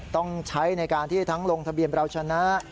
ต้องใช้ในการที่ทั้งลงทะเบียนเราชนะ